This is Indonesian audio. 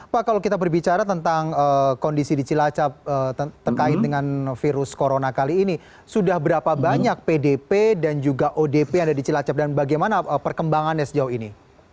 pak kalau kita berbicara tentang kondisi di cilacap terkait dengan virus corona kali ini sudah berapa banyak pdp dan juga odp yang ada di cilacap dan bagaimana perkembangannya sejauh ini